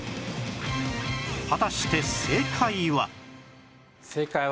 果たして正解は？